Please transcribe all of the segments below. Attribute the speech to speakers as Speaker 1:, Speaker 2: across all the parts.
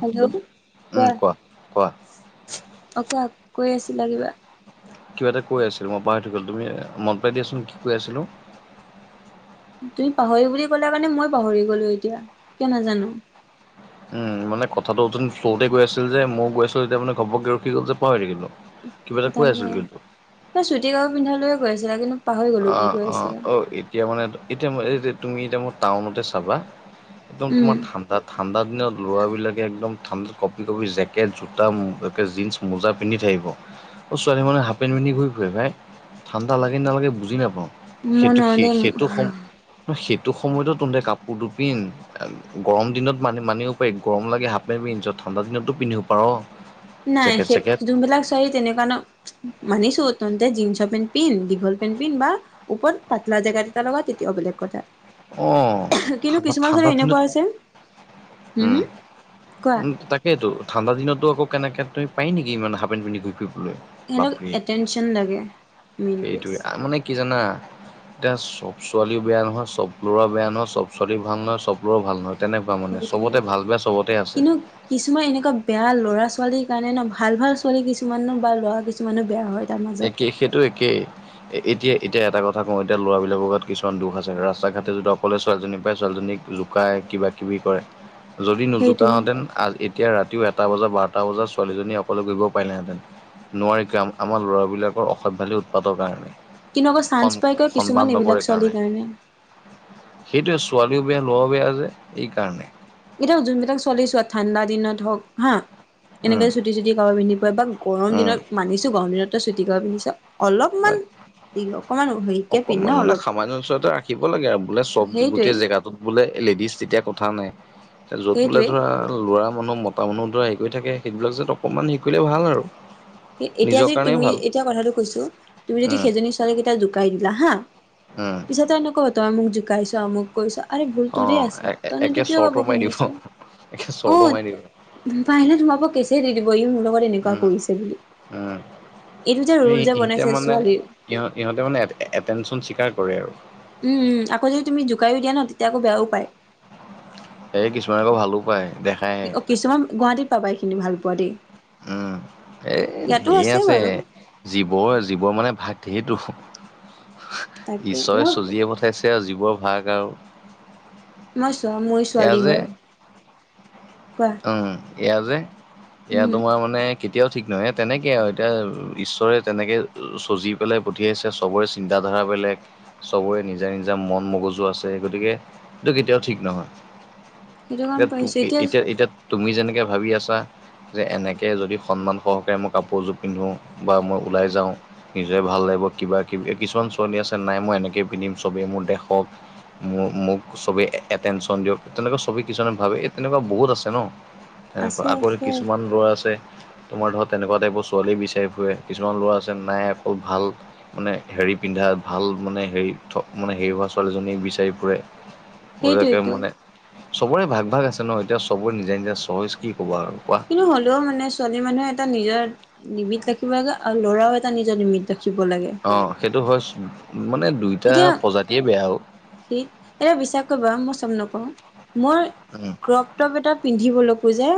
Speaker 1: Hello, কোৱা
Speaker 2: উম, কোৱা।
Speaker 1: অহ কোৱা কৈ আছিলা কিবা।
Speaker 2: কিবা এটা কৈ আছিলো মই তুমি মনত পেলাই দিয়াচোন কি কৈ আছিলো।
Speaker 1: তুমি পাহৰি বুলি ক'লে মানে মই পাহৰি গলো এতিয়া কিয় নাজানো।
Speaker 2: উম, মানে কথাটো অথনি ফ্লোৱতে গৈ আছিল যে মই গৈছিলো। এতিয়া মানে ঘপকে ৰখি গ'ল যে পাহৰি গলো।
Speaker 1: তাকে চুটি কাপোৰ পিন্ধালৈয়ে কৈ আছিলা কিন্তু পাহৰি গলো কি
Speaker 2: অ',
Speaker 1: কৈ
Speaker 2: অ',
Speaker 1: আছিলা।
Speaker 2: অ', এতিয়া মানে এতিয়া ম তুমি এতিয়া মই টাউনতে চাবা একদম
Speaker 1: উম
Speaker 2: তোমাৰ ঠাণ্ডা তাত ঠাণ্ডা দিনত ল'ৰাবিলাকে একদম ঠাণ্ডাত কঁপি, কঁপি জেকেট জোতাে মো একে জিনচ মোজা পিন্ধি থাকিব অ', ছোৱালী মানে হাফ পেণ্ট পিন্ধি ঘূৰি ফুুৰে ভাই ঠাণ্ডা লাগে নালাগে বুজি বুজি নাপাও,
Speaker 1: মই
Speaker 2: সেইটো
Speaker 1: নোৱাৰো
Speaker 2: সেই
Speaker 1: দেই
Speaker 2: সেইটো সময় ন সেইটো সময়তো তহঁতে কাপোৰটো পিন গৰম দিনত মানি মানিব পাৰি গৰম লাগে হাফ- পেণ্ট পিন্ধিছো। ঠাণ্ডা দিনতো পিন্ধিব পাৰ
Speaker 1: নাই
Speaker 2: জেকেট
Speaker 1: সেই
Speaker 2: চেকেট
Speaker 1: যোনবিলাক ছোৱালী তেনেকুৱা ন মানিছো তহন্তে জিনচৰ পেণ্ট পিন, দীঘল পেণ্ট পিন বা ওপত পাতলা জেকেত এটা লগা তেতিয়াও বেলেগ কথা।
Speaker 2: অ
Speaker 1: কিন্তু
Speaker 2: ঠাণ্ডা
Speaker 1: কিছুমান ছোৱালী
Speaker 2: ঠাণ্ডা দিনত
Speaker 1: এনেকুৱাও হৈছে হম- হম কোৱা।
Speaker 2: সেইটো ঠাণ্ডা দিনতো আকৌ কেনেক তুমি পাৰি নেকি ইমান হাপপেণ্ট পিন্ধি ঘূৰি ফুৰিবলৈ।
Speaker 1: সিহঁতক
Speaker 2: বাপৰে
Speaker 1: এটেনশ্যন লাগে। মেইন কেছ
Speaker 2: সেইটোৱে মানে কি জানা এতিয়া চব ছোৱালী বেয়া নহয়, চব ল'ৰা বেয়া নহয়। চব ছোৱালী ভাল নহয়, চব লৰা ভাল নহয়। তেনেকুৱা মানে
Speaker 1: সেইটোৱে
Speaker 2: চবতে ভাল, বেয়া চবতে আছে।
Speaker 1: কিন্তু কিছুমান এনেকুৱা বেয়া ল'ৰা -ছোৱালীৰ কাৰণে ন ভাল -ভাল ছোৱালী কিছুমান বা ল'ৰা কিছুমানো বেয়া হয়। তাৰ মাজত
Speaker 2: একেই সেইটো একেই। এতিয়া - এতিয়া এটা কথা কওঁ এতিয়া ল'ৰাবিলাকৰ গাত কিছুমান দুখ আছে। ৰাস্তা ঘাটে যদি অকলে ছোৱালীজনী পায় ছোৱালীজনীক জোকাই কিবা- কিবি কৰে। যদি নোজোকাও
Speaker 1: সেইটোৱে
Speaker 2: হেঁতেন আজ এতিয়া ৰাতিও এটা বজা, বাৰটা বজাত ছোৱালীজনী অকলে ঘূৰিব পাৰিলেহেঁতেন নোৱাৰি কাম আমাৰ ল'ৰা বিলাকৰ অসভ্যালী উৎপাতৰ কাৰণে।
Speaker 1: কিন্তু আকৌ চান্স
Speaker 2: সন
Speaker 1: পাই গৈ
Speaker 2: সন্মান
Speaker 1: কিছুমান এইবিলাক
Speaker 2: নকৰে
Speaker 1: ছোৱালীৰ কাৰণে।
Speaker 2: সেইটোৱে ছোৱালীও বেয়া, ল'ৰাও বেয়া যে এইকাৰণে।
Speaker 1: এতিয়া যোনবিলাক ছোৱালী চোৱা আৰু ঠাণ্ডা দিনত হওক হা
Speaker 2: উম
Speaker 1: এনেকে চুটি- চুটি কাপোৰ পিন্ধি ফুৰে বা গৰম
Speaker 2: উম।
Speaker 1: দিনত মানিছো গৰম দিনত তই চুটি কাপোৰ পিন্ধিছ। অলপমান অকমান হেৰিকে পিন্ধ ন
Speaker 2: অকমান মানে
Speaker 1: অলপ
Speaker 2: সামান্য ওচৰতে ৰাখিব লাগে আৰু বোলে চব
Speaker 1: সেইটোৱে
Speaker 2: গোটেই জেগাত য'ত বোলে লেডিজ তেতিয়া কথা নাই য'ত বোলে
Speaker 1: সেইটোৱে
Speaker 2: ধৰা ল'ৰা মানুহ ম টাউনৰ দ্বাৰা হেৰি কৰি থাকে সেইবিলাক যাত অকমান হেই কৰিলে ভাল আৰু।
Speaker 1: এতিয়া
Speaker 2: নিজৰ
Speaker 1: যদি
Speaker 2: কাৰণেই
Speaker 1: তুমি
Speaker 2: ভাল
Speaker 1: এতিয়া কথাটো কৈছো তুমি যদি
Speaker 2: উম
Speaker 1: সেইজনী ছোৱালীক এতিয়া জোকাই দিলা হা
Speaker 2: উম,
Speaker 1: পিছত তাই এনেকুৱা কব তই মোক জোকাইছ, অমুক কৰিছ আৰে ভুল
Speaker 2: অ
Speaker 1: তোৰে আছে তইনু ইতো
Speaker 2: একে
Speaker 1: কিয়
Speaker 2: চৰ্ট
Speaker 1: কাপোৰ
Speaker 2: মাৰি দিব।
Speaker 1: পিন্ধিছ।
Speaker 2: একে
Speaker 1: অ
Speaker 2: চৰটো মাৰি দিব
Speaker 1: পাৰিলে তোমাৰ ওপৰত কেছেই দি দিব ই মোৰ লগত এনেকুৱা
Speaker 2: উম
Speaker 1: কৰিছে বুলি।
Speaker 2: উম,
Speaker 1: এইটো যে
Speaker 2: আমি
Speaker 1: ৰোল যে
Speaker 2: এটিয়া
Speaker 1: বনাইছে
Speaker 2: মানে
Speaker 1: ছোৱালীৰ
Speaker 2: ইহঁ- ইহঁতৰ মানে এটেনচন স্বীকাৰ কৰে আৰু
Speaker 1: উম - উম আকৌ যদি তুমি জোকাইও দিয়া ন তেতিয়া আকৌ বেয়াও পাই।
Speaker 2: এই কিছুমানে আকৌ ভালো পায় দেখ
Speaker 1: অ', কিছুমান গুৱাহাটীত পাবা এইখিনি ভাল পোৱা দেই।
Speaker 2: উম, এই
Speaker 1: ইয়াতো
Speaker 2: ঢেৰ আছে।
Speaker 1: বাৰু
Speaker 2: জীৱ- জীৱ মানে ভাগ ধেৰটো,
Speaker 1: তাকে
Speaker 2: ঈশ্বৰে
Speaker 1: ন
Speaker 2: শ্ৰজিয়ে পঠাইছে। তেওঁ জীৱৰ ভাগ আৰু।
Speaker 1: মই চোৱা মইও
Speaker 2: এয়া
Speaker 1: ছোৱালী
Speaker 2: যে
Speaker 1: হয়, কোৱা?
Speaker 2: উম, এয়া যে এয়া
Speaker 1: উম
Speaker 2: তোমাৰ মানে কেতিয়াও ঠিক নহয় তেনেকে আৰু এতিয়া ঈশ্বৰে তেনেকে চজি পেলাই পঠিয়াইছে। চবৰে চিন্তাধাৰা বেলেগ। চবৰে নিজা -নিজা মন মগজু আছে গতিকে এইটো কেতিয়াও ঠিক নহয়।
Speaker 1: সেইটো গম
Speaker 2: এটো
Speaker 1: পাইছো
Speaker 2: এতিয়া -এতিয়া তুমি যেনেকে ভাবি আছা যে এনেকৈ যদি সন্মান সহকাৰে মই কাপোৰ এযোৰ পিন্ধোঁ বা মই ওলাই যাওঁ নিজৰে ভাল লাগিব কিবা-কিবি। কিছুমান ছোৱালী আছে নাই মই এনেকে পিন্ধিম চবেই মোৰ দেখক। মোৰ মোক চবে এটেনচন দিয়ক। তেনেকুৱা চবেই কিছুমানে ভাবে এই তেনেকুৱা বহুত আছে ন তেনেকুৱা।
Speaker 1: আছে
Speaker 2: আকৌ
Speaker 1: আছে
Speaker 2: কিছুমান ল'ৰা আছে তোমাৰ ধৰা তেনেকুৱা টাইপৰ ছোৱালী বিচাৰি ফুৰে, কিছুমান ল'ৰা আছে নাই খুব ভাল মানে হেৰি পিন্ধা ভাল মানে হেৰি থ মানে হেৰি হোৱা ছোৱালীজনী বিচাৰি ফুৰে। [unintelligible]
Speaker 1: সেইটোৱেইটো
Speaker 2: মানে চবৰে ভাগ ভাগ আছে ন। এতিয়া চবৰে নিজে নিজে চইজ কি ক'বা আৰু কোৱা।
Speaker 1: এইটো হ'লেও মানে ছোৱালী মানুহে এটা নিজৰ লিমিট ৰাখিব লাগে আৰু ল'ৰাও এটা নিজৰ লিমিট ৰাখ
Speaker 2: অ সেইটো হয় চো মানে দুইটা প্ৰজাতিয়ে বেয়া অ।
Speaker 1: ঠিক। এতিয়া বিশ্বাস কৰিবা মই চব নকওঁ। মই
Speaker 2: উম।
Speaker 1: ক্ৰপ টপ এটা পিন্ধিবলৈকো যে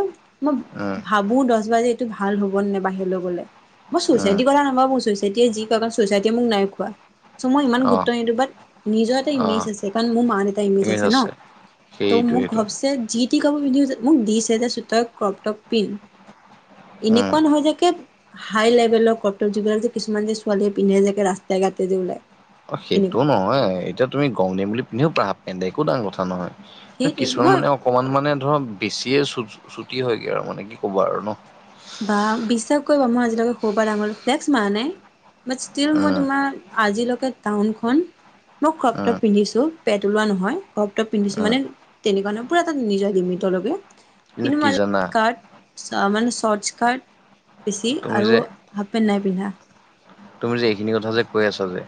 Speaker 1: মই
Speaker 2: উম
Speaker 1: ভাবো দছ বাৰ যে এইটো ভাল হ'ব নে নাই বাহিৰলে গ'লে? মই
Speaker 2: উম
Speaker 1: ছোছাইটিৰ কথা নাভাবো ছোছা যেতিয়াই যি ক'বা ছছাইটিয়ে মোক নাই খুৱা চ' মই ইমান
Speaker 2: অ
Speaker 1: গুৰুত কিন্তু বাট নিজৰ এটা
Speaker 2: অ
Speaker 1: ইমেজ আছে কাৰণ মোৰ মা-দেউতা ইমেজ আছে ন, ট মোক
Speaker 2: সেইটোৱেইটো
Speaker 1: ঘৰ যে যি তি কাপোৰ পিন্ধি গৈছে। মোক দিছে যে তই ক্ৰপটপ পিন্ধ।
Speaker 2: উম
Speaker 1: এনেকুৱা নহয় যে কেব হাই লেভেলৰ ক্ৰপটপ যিবিলাক যে কিছুমান যে ছোৱালীয়ে পিন্ধে যে একে ৰাস্তাই-ঘাটে যে ওলায়।
Speaker 2: অ সেইটো নহয়। এতিয়া তুমি গৰম দিন বুলি পিন্ধিব পাৰা হাফ পেণ্ট এটা একো ডাঙৰ কথা নহয়।
Speaker 1: সেইটোৱে
Speaker 2: কিছুমান
Speaker 1: মই
Speaker 2: মানে অকমান মানে ধৰ বেছিয়ে চু-চু-চুটি হয়গে আৰু মানে কি ক'ব আৰু ন।
Speaker 1: বা বিশ্বাস কৰিবা মই আজিলৈকে সৰু পা ডাঙৰলে ফ্লেক্স মাৰা নাই বাট ষ্টীল মই
Speaker 2: উম
Speaker 1: তোমাৰ আজিলৈকে টাউনখন, মই
Speaker 2: উম
Speaker 1: ক্ৰপটপ পিন্ধিছোঁ পেট ওলোৱা নহয়। ক্ৰপটপ পিন্ধিছো
Speaker 2: উম
Speaker 1: মানে তেনেকুৱা নহয়, পুৰা এটা নিজৰ লিমিটৰ লৈকে। কিন্তু
Speaker 2: কি
Speaker 1: মই
Speaker 2: জানা
Speaker 1: [unintelligible] কাৰ্ট চ মানে চৰটছকাৰ্ট বেছি
Speaker 2: তুমি
Speaker 1: আৰু
Speaker 2: যে
Speaker 1: হাফ পেণ্ট নাই পিন্ধা।
Speaker 2: তুমি যে এইখিনি কথা যে কৈ আছা যে,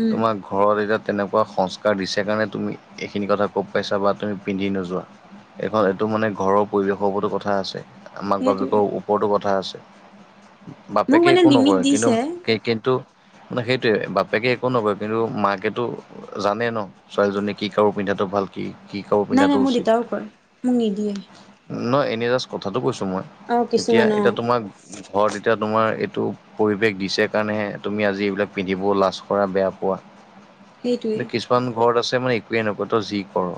Speaker 1: উম
Speaker 2: তোমাক ঘৰত এতিয়া তেনেকুৱা সংস্কাৰ দিছে কাৰণে তুমি এইখিনি কথা ক'ব পাৰিছা বা তুমি পিন্ধি নোযোৱা। এইখন এইটো মানে ঘৰৰ পৰিৱেশৰ ওপৰতো কথা আছে।
Speaker 1: সেইটোৱে
Speaker 2: মাক-বাপেকৰ ওপৰতো কথা আছে।
Speaker 1: মোক
Speaker 2: বাপেকে
Speaker 1: মানে
Speaker 2: একো
Speaker 1: লিমিট
Speaker 2: নকয়, কিন্তু
Speaker 1: দিছে
Speaker 2: কে কিন্তু মানে সেইটোৱে বাপেকে একো নকয় কিন্তু মাকেতো জানে ন' ছোৱালীজনী কি কাপোৰ পিন্ধাটো ভাল কি -কি কাপোৰ
Speaker 1: নাই
Speaker 2: পিন্ধাটো
Speaker 1: নাই মোৰ
Speaker 2: উচিত।
Speaker 1: দেউতাও কয় মোক নিদিয়ে
Speaker 2: নহয় এনে জাষ্ট কথাটো কৈছো মই
Speaker 1: অ কিছুমান
Speaker 2: এতিয়া-
Speaker 1: অ
Speaker 2: এতিয়া তোমাক ঘৰত এতিয়া তোমাৰ এইটো পৰিৱেশ দিছে কাৰণেহে তুমি আজি এইবিলাক পিন্ধিব লাজ কৰা বেয়া পোৱা
Speaker 1: সেইটোৱে
Speaker 2: [unintelligible] এইখন ঘৰত আছে মানে একোৱেই নকয় তই যি কৰ।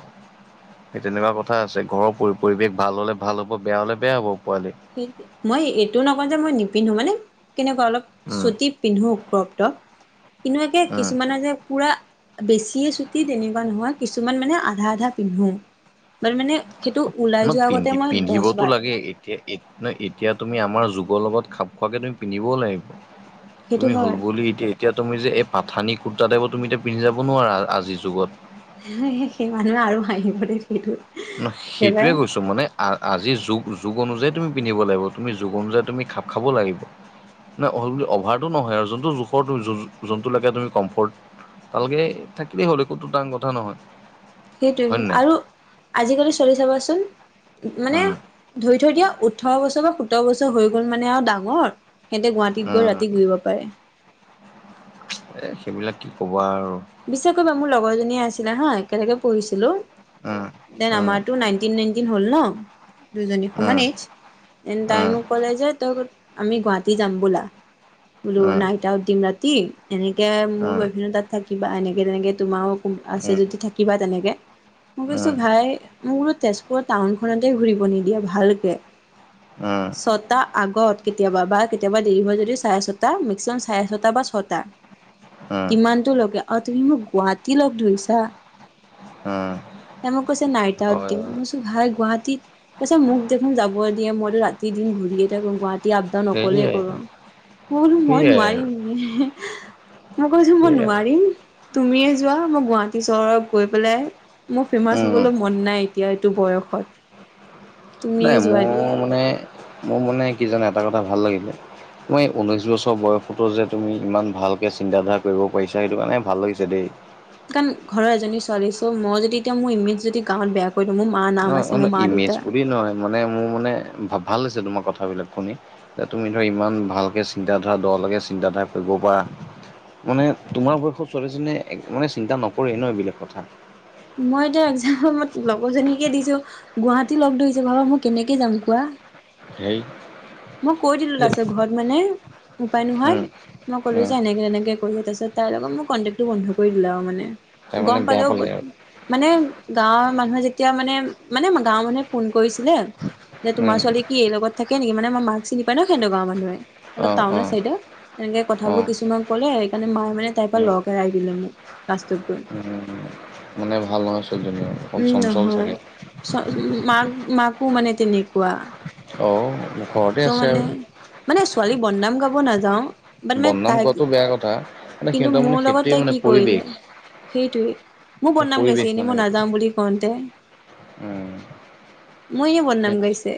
Speaker 2: সেই তেনেকুৱা কথা আছে ঘৰৰ পৰি- পৰিৱেশ ভাল হলে ভাল হ'ব বেয়া হলে বেয়া হ'ব পোৱালি।
Speaker 1: হেইকে মই এইটোও নকওঁ যে মই নিপিন্ধো মানে কেনেকুৱা অলপ
Speaker 2: উম
Speaker 1: চুটি পিন্ধো ক্ৰপটপ এনেকুৱাকে
Speaker 2: উম
Speaker 1: কিছুমানে যে পুৰা বেছিয়ে চুটি তেনেকুৱা নহয় কিছুমান মানে আধা- আধা পিন্ধো। বাৰ মানে সেইটো
Speaker 2: ন
Speaker 1: ওলাই যোৱা আগতে
Speaker 2: পিন্ধি
Speaker 1: মই দছ
Speaker 2: পিন্ধিবতো
Speaker 1: বাৰ
Speaker 2: লাগে এতিয়া এত ন' এতিয়া তুমি আমাৰ যুগৰ লগত খাপ খোৱাকে তুমি পিন্ধিবও লাগিব
Speaker 1: সেইটো
Speaker 2: তুমি হ'ল
Speaker 1: হয়
Speaker 2: বুলি এতিয়া -এতিয়া তুমি যে এই পাঠানি কুৰ্তা টাইব তুমি এতিয়া পিন্ধি যাব নোৱাৰা আজিৰ যুগত।
Speaker 1: [unintelligible] সেই মানুহ আৰু হাঁহিবলে নিদু।
Speaker 2: ন'সেইটোৱে কৈছোঁ মানে আ -আজিৰ যোগ -যোগ অনুযায়ী তুমি পিন্ধিব লাগিব তুমি যোগ অনুযায়ী তুমি খাপ খাব লাগিব। নাই অল বুলি অভাৰটো নহয় আৰু যোনটো জোখৰটো যোনটো লাগে তুমি কমফৰ্ট। ভালকে থাকিলেই হ'ল একোটো ডাঙৰ কথা নহয়। হয়
Speaker 1: সেইটোৱে
Speaker 2: নে নাই?
Speaker 1: আৰু আজিকালি চলি চাবাচোন মানে
Speaker 2: উম,
Speaker 1: ধৰি থৈ দিয়া ওঠৰ বছৰ বা সোতৰ বছৰ হৈ গ'ল মানে আৰু ডাঙৰ। হেন্ততে গুৱাহাটীত গৈ
Speaker 2: উম,
Speaker 1: ৰাতি ঘূৰিব পাৰে।
Speaker 2: এই সেইবিলাক কি ক'বা আৰু।
Speaker 1: বিশ্বাস কৰিবা মোৰ লগৰজনীয়ে আছিলে হা একেলগে পঢ়িছিলোঁ
Speaker 2: উম,
Speaker 1: দেন
Speaker 2: উম,
Speaker 1: আমাৰতো নাইনটিন -নাইনটিন হ'ল ন দুজনী
Speaker 2: উম, উম, উম,
Speaker 1: সমান এইজ এন
Speaker 2: উম,
Speaker 1: তাই
Speaker 2: উম,
Speaker 1: মোক ক'লে যে তই আমি ক'ত গুৱাহাটী যাম ব'লা বোলো
Speaker 2: উম,
Speaker 1: নাইট দিম দিন ৰাতি এনেকে মোৰ বইফেনদ তাত থাকিবা এনেকে- তেনেকে তোমাও উম, আছে যদি থাকিবা তেনেকে মই
Speaker 2: উম,
Speaker 1: কৈছো
Speaker 2: উম,
Speaker 1: ভাই মোৰ তেজ পোৰা টাউনখনতে ঘূৰিব নিদিয়ে ভালকে চত টা আগত কেতিয়াবা বা কেতিয়াবা দেৰি হয় যদিও চাৰে ছটা মেক্সিমাম চাৰে ছটা বা ছটা। কিমানটো লগে অ, তুমি মোক গুৱাহাটী লগ ধৰিছা?
Speaker 2: হম।
Speaker 1: এ মোক কৈছে নাইট আউট দিম মই চোন ভাই গুৱাহাটীত কৈছে মোক দেখোন যাব দিয়ে মইতো ৰাতি- দিন ঘূৰিয়ে থাকো বাত তে আপদাউন অকলেই
Speaker 2: সেয়াই
Speaker 1: কৰো মই বুলো সময়
Speaker 2: সেয়াই আৰু
Speaker 1: নোৱাৰিম [unintelligible] মই কৈছো মই
Speaker 2: সেয়াই আৰু
Speaker 1: নোৱাৰিম তুমিয়ে যোৱা মই গুৱাহাটী চহৰত গৈ পেলাই মোৰ ফেমাচ
Speaker 2: উম,
Speaker 1: হবলৈ মন নাই এতিয়া এইটো বয়সত। তুমিয়ে
Speaker 2: মানে
Speaker 1: যোৱা দিয়া
Speaker 2: মোৰ মানে মোৰ মানে কি জানা এটা কথা ভাল লাগিলে [unintelligible] ঊনৈছ বছৰ বয়সতো যে তুমি ইমান ভালকে চিন্তাধাৰা কৰিব পাৰিছা সেইটো কাৰণে ভাল লাগিছে দেই।
Speaker 1: কাৰণ ঘৰৰ এজনী ছোৱালী চ' মই যদি এতিয়া মোৰ ইমেজ যদি গাঁৱত বেয়া কৰি দিও মোৰ মা
Speaker 2: ন
Speaker 1: নাম আছে
Speaker 2: ন
Speaker 1: মোৰ মা-
Speaker 2: ইমেজ
Speaker 1: দেউতা
Speaker 2: বুলি নহয় মানে মোৰ মানে ভ -ভাল হৈছে তোমাৰ কথাবিলাক শুনি। এ তুমি ধৰা ইমান ভালকে চিন্তাধাৰা দলৈকে চিন্তাধাৰা কৰিব পাৰা মানে তোমাৰ বয়সত ছোৱালীজনীয়ে এক মানে চিন্তা নকৰে নহ এইবিলাক কথা।
Speaker 1: মই এতিয়া একজামত লগৰজনীকে দিছো গুৱাহাটী লগ ধৰিছে ভাবা মই কেনেকে যাম কোৱা?
Speaker 2: সেই
Speaker 1: মই কৈ দিলো তাৰপাছত ঘৰত মানে উপায়
Speaker 2: উম
Speaker 1: নোহাৱাত মই ক'লো
Speaker 2: উম
Speaker 1: যেনে এনেকে কৰিছে তাৰছত তাৰ লগত মই কন্তেকবন বন্ধ কৰি দিলে আৰু মানে গম
Speaker 2: তাৰমানে বেয়া
Speaker 1: পালেও
Speaker 2: পালে আৰু
Speaker 1: মানে গাঁৱৰ মানুহে যেতিয়া মানে মানে গাঁওৰ মানুহে ফোন কৰিছিলে যে তোমাৰ
Speaker 2: উম
Speaker 1: ছোৱালী কি এই লগত থাকে নেকি মানে মই মাক চিনি ন সেনেকা গাঁৱৰ মানুহে অলপ
Speaker 2: অঁ
Speaker 1: টাউনৰ
Speaker 2: অঁ
Speaker 1: চাইডে তেনেকে
Speaker 2: অঁ
Speaker 1: কথাবোৰ কিছুমান ক'লে সেইকাৰণে মায়ে মানে তোৰ পৰা
Speaker 2: উম
Speaker 1: লগ এৰাই দিলে মোক কাছটোক
Speaker 2: মানে ভাল নহয় ছোৱালী জনী অকণ চঞ্চল চাগে।
Speaker 1: উ মাক মাকো মানে তেনেকুৱা।
Speaker 2: অ। ঘৰতে
Speaker 1: চ'
Speaker 2: আছে
Speaker 1: মানে
Speaker 2: আৰু
Speaker 1: মানে ছোৱালী বদনাম গাব নাযাওঁ।
Speaker 2: বদনাম গোৱাটো বেয়া কথা। মানে
Speaker 1: কিন্তু
Speaker 2: সিহঁতৰ মানে
Speaker 1: মোৰ লগত
Speaker 2: সেইটোৱে
Speaker 1: তাই
Speaker 2: মানে
Speaker 1: কি কৰিলে
Speaker 2: পৰিৱেশ
Speaker 1: সেইটোৱে মোৰ বদনাম
Speaker 2: পৰিৱেশ
Speaker 1: গাইছে এনেই
Speaker 2: মানে
Speaker 1: মই
Speaker 2: সেইটো
Speaker 1: নাযাওঁ বুলি কওতে মইয়ে বদনাম
Speaker 2: উম
Speaker 1: গাইছে।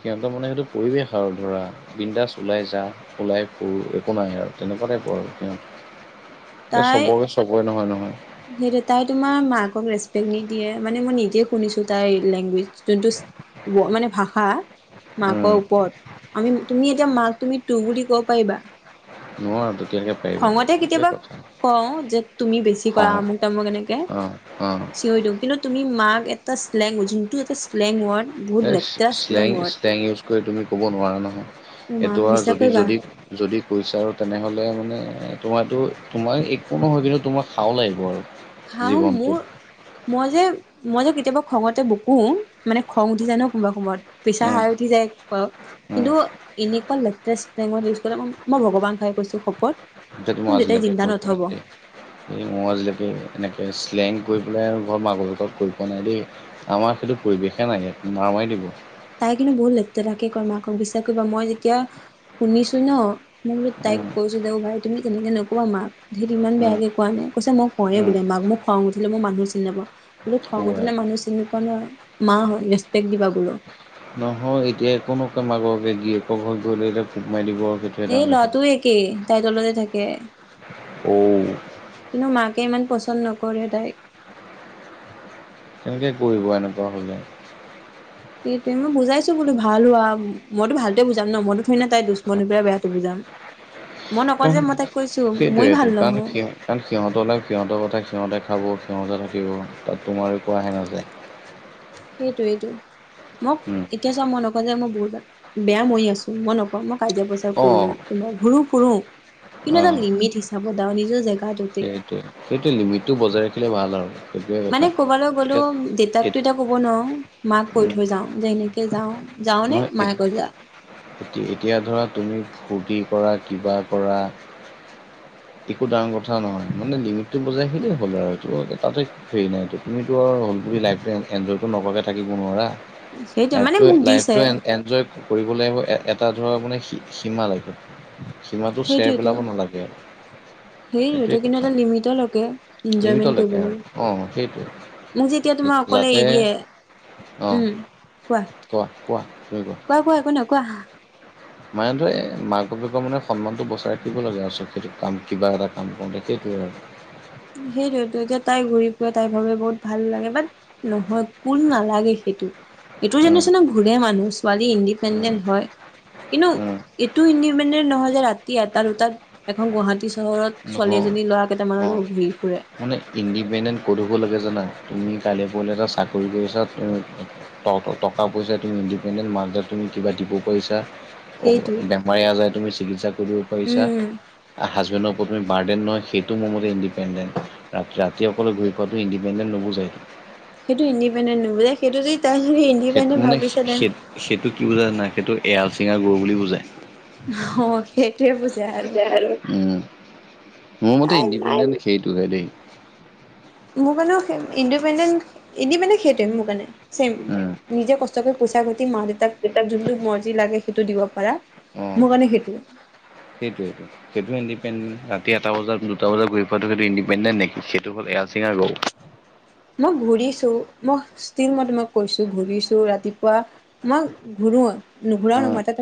Speaker 2: সিহঁতৰ মানে সেইটো পৰিৱেশ আৰু ধৰা। বিন্দাছ ওলাই যা, ওলাই ফুৰ, একো নাই আৰু তেনেকুৱা টাইপ আৰু সিহঁতৰ। এতিয়া চবকে চবৰে নহয় নহয়।
Speaker 1: সেই তাই তোমাৰ মাকক ৰেচপেক্ট নিদিয়ে, ‌ মানে মই নিজে শুনিছো তাই লেংগুৱেজ। যোনটো মানে ভাষা।
Speaker 2: উম
Speaker 1: মাকৰ ওপৰত আমি তুমি, এতিয়া মাক তুমি তোৰ বুলি কব পাৰিবা।
Speaker 2: নোৱাৰো তেতিয়াকে
Speaker 1: খঙতে কেতিয়াবা কওঁ যে তুমি বেছি কৰা
Speaker 2: খং
Speaker 1: আমুক, তামুক এনেকে
Speaker 2: অ অ
Speaker 1: চিঞৰি দিও কিন্তু তুমি মাক এটা শ্লেং যোনটো এটা শ্লেং ৱৰ্ড বহুত
Speaker 2: এই
Speaker 1: লেতেৰা
Speaker 2: শ্লেং,
Speaker 1: ৱৰ্ড
Speaker 2: শ্লেং ইউজ কৰি তুমি কব নোৱাৰা
Speaker 1: মোৰ
Speaker 2: নহয়
Speaker 1: মা
Speaker 2: এইটো আৰু
Speaker 1: বিশ্বাস
Speaker 2: যদি
Speaker 1: কৰিবা
Speaker 2: যদি যদি কৈছে আৰু তেনেহ'লে মানে তোমাৰো তোমাৰ একো নহয় কিন্তু তোমাক হাও লাগিব আৰু
Speaker 1: হাও
Speaker 2: জীৱনটোত
Speaker 1: মোৰ মই যে মই যে কেতিয়াবা খঙতে বকো মানে খং উঠি জানো কোনোবা সময়ত প্ৰেছাৰ
Speaker 2: উম
Speaker 1: হাই উঠি যায়।
Speaker 2: উম
Speaker 1: কিন্তু এনেকুৱা লেতৰা শ্লেং ৱৰ্ড ইউজ কৰে। মই ভগৱান [unintelligible] কৈছো শপত
Speaker 2: সেইটো মই
Speaker 1: মোক দেউতাই
Speaker 2: আজিলৈকে
Speaker 1: জিন্দা
Speaker 2: কৰি পোৱা
Speaker 1: নথব।
Speaker 2: নাই দেই এই আজিলৈকে এনেকে শ্লেং কৰি পেলাই ঘৰ, মাকঘৰ লগ লগৰত কৰি পোৱা নাই দেই। আমাৰ সেইটো পৰিৱেশে নাই, মাৰা মাৰি লাগিব।
Speaker 1: তাই কিন্তু বহুত লছতেৰাকে কয় মাকক বিশ্বাস কৰিবা। মই যেতিয়া শুনিছো ন' মোৰ বোলো তাইক
Speaker 2: উম,
Speaker 1: কৈছো দে ভাই তুমি তেনেকৈ নকবা মাক। সেইটো ইমান
Speaker 2: উম,
Speaker 1: বেয়াকে কোৱা নাই কৈছে মোক কও
Speaker 2: উম,
Speaker 1: বোলে মাক, মোক খং উঠিলে মই মানুহ চিনি নাপাওঁ। বোলো খং
Speaker 2: কোবাই।
Speaker 1: উঠিলে মানুহ চিনি নোপোৱা নহয়। মা হয় ৰেচপেক্ট দিবা বোলো।
Speaker 2: নহয় এতিয়া একো নকয় মাকে। গীয়েকৰ ঘৰত গৈ লৈ আহিলে পোক মাৰি দিব। সেইটোৱে
Speaker 1: এই
Speaker 2: ডাঙৰ কথা।
Speaker 1: ল'ৰাটোৱ একেই তাইৰ তলতে থাকে।
Speaker 2: অ'।
Speaker 1: কিন্তু মাকে ইমান পচন্দ নকৰে তাইক।
Speaker 2: কেনেকৈ কৰিব এনেকুৱা হ'লে
Speaker 1: সেইটোয়ে মই বুজাইছো বোলো ভাল হোৱা মইতো ভালটোৱে বুজাম ন মইতো হয় ন' তাই দুশ্মনীৰ পৰা বেয়াতটো বুজাম মই নকওঁ যে
Speaker 2: কাৰণ
Speaker 1: মই তাইক কৈছো মই
Speaker 2: সেইটোৱেটো
Speaker 1: ভাল
Speaker 2: কাৰণ
Speaker 1: নহয়।
Speaker 2: সিহ কাৰণ সিহঁতে লাইভ সিহঁতৰ কথা সিহঁতে খাব সিহঁতে থাকিব তাত তোমাৰ একোৱাহে নাযায়।
Speaker 1: [unintelligible] সেইটোৱেটো মোক
Speaker 2: উম,
Speaker 1: এতিয়া চাও, মই নকও যে মই বহুতত ভাল, বেয়া মই আছো মই নকও। মই কাজিয়া পেচাল কৰো
Speaker 2: অ',
Speaker 1: তোমাৰ ঘুুৰো ফুুৰো কিন্তু এটা
Speaker 2: অ',
Speaker 1: লিমিট হিচাপত আৰু নিজৰ জেগা
Speaker 2: সেইটোৱে সেইটো লিমিটটো বজাই ৰাখিলে ভাল আৰু সেইটোৱে কথা।
Speaker 1: মানে ক'বালৈ গ'লেও
Speaker 2: এতিয়া
Speaker 1: দেউতাকটো এতিয়া ক'ব নোৱাৰো মাক কৈ
Speaker 2: উম,
Speaker 1: থৈ যাও যে এনেকে যাও, যাওনে
Speaker 2: নহয় এ
Speaker 1: মায়ে কৈ যা
Speaker 2: এতিয়া ধৰা তুমি ফূৰ্তি কৰা কিবা কৰা একো ডাঙৰ কথা নহয় মানে লিমিটটো বজাই খিনেই হ'ল আৰু সিটো তাতে সেই নাই তুমিতো আৰু লাইভটো এনজয়টো নকৰাকে থাকিব নোৱাৰা।
Speaker 1: সেইটো মানে
Speaker 2: লাইফটো
Speaker 1: মোক
Speaker 2: লাইফ
Speaker 1: দিছে
Speaker 2: এনজয় কৰিবলৈ লাগিব এটা ধৰক মানে সীমা লৈকে সীমাটো চেৰ পেলাব নালাগে আৰু। সেইটোৱে
Speaker 1: সেইতো কিন্তু
Speaker 2: কথা
Speaker 1: এটা লিমিটৰ লৈকে এনজয়মেন্ট
Speaker 2: লিমিটলৈকে
Speaker 1: কৰিব
Speaker 2: আৰু অঁ সেইটোৱে
Speaker 1: লাগে। মোক যেতিয়া তোমাৰ অকলে এৰি
Speaker 2: যাতে
Speaker 1: দিয়ে,
Speaker 2: অঁ
Speaker 1: উম কোৱা।
Speaker 2: কোৱা, তুমি কোৱা।
Speaker 1: কোৱা কোৱা একো নহয় কোৱা।
Speaker 2: মানে ধৰ মাক বাপেকৰ মানে সন্মানটো বচাই ৰাখিব লাগে আৰু সেই কাম কিবা এটা কাম কৰোঁতে সেইটোৱে আৰু।
Speaker 1: সেইটোৱেটো এতিয়া তাই ঘূৰি ফুৰে, তাই ভাবে বহুত ভাল লাগে বাট নহয় কোন নালাগে সেইটোত। এইটো
Speaker 2: উম,
Speaker 1: জেনেৰেশ্যন ঘূৰে মানুহ, ছোৱালী ইণ্ডিপেণ্ডেন্ট হয়। কিন্তু
Speaker 2: উম,
Speaker 1: এইটো ইণ্ডিপেণ্ডেন্ট নহয় যে ৰাতি এটা দুটাত এখন গুৱাহাটী চহৰত ছোৱালী
Speaker 2: নহয়
Speaker 1: এজনী ল'ৰা কেইটামানৰ
Speaker 2: অ',
Speaker 1: লগত ঘুৰি ফুৰে।
Speaker 2: মানে ইণ্ডিপেণ্ডেণ্ট ক'ত হব লাগে জানা, তুমি কাইলৈ পৰহীলৈ এটা চাকৰি কৰিছা টকা পইচা তুমি ইণ্ডিপেণ্ডেণ্ট মা দেউতাক তুমি কিবা দিব পাৰিছা
Speaker 1: সেইটোৱে
Speaker 2: বেমাৰে আজাৰে তুমি চিকিৎসা কৰিব পাৰিছা,
Speaker 1: উম
Speaker 2: হাজবে ন্ডৰ ওপৰত তুমি বাৰ্দেন নহয় সেইটো মোৰ মতে ইণ্ডিপেণ্ডেণ্ট। ৰাতি ৰাতি অকলে ঘূৰি ফুৱাটো ইণ্ডিপেণ্ডেণ্ট নুবুজায় তো।
Speaker 1: সেইটো ইণ্ডিপেডেণ্ট নোবোজায় সেইটো তাই
Speaker 2: সেইটো
Speaker 1: ইণ্ডিপেণ্ডেন্ট
Speaker 2: মানে
Speaker 1: ভাবিছে দেন
Speaker 2: সেই- সেইটো কি বুজায় জানা, সেইটো এৰাল চিঙা গৰু বুলি বুজায়।
Speaker 1: অ সেইটোৱে বুজায় আৰু।
Speaker 2: উম মোৰ মতে
Speaker 1: তাই
Speaker 2: ইণ্ডিপেণ্ডেণ্ট সেইটোহে দেই।
Speaker 1: মোৰ কাৰণেও ইণ্ডিপেণ্ডেণ্ট ইণ্ডিপেণ্ডেন সেইটোৱে মোৰ কাৰণে। চেম
Speaker 2: উম
Speaker 1: নিজে কষ্ট কৰি পইচা ঘটি মা দেউতাক
Speaker 2: যেতিয়া
Speaker 1: যোনটো মৰ্জি লাগে সেইটো দিব পাৰা
Speaker 2: অ',
Speaker 1: মোৰ কাৰণে সেইটো।
Speaker 2: সেইটোৱেটো। সেইটো ইণ্ডিপেণ্ডেন্ট ৰাতি এটা বজাত দুটা বজাত ঘুৰি ফুৱাটো সেটো ইণ্ডিপেণ্ডেট নেকি সেইটো হল এৰা চিঙা গৰু।
Speaker 1: মই ঘূৰিছো মই ষ্টিল মই তোমাক কৈছো ঘূৰিছো ৰাতিপুৱা মই ঘূৰো নুঘূৰাও
Speaker 2: উম
Speaker 1: নহয় তাতে মই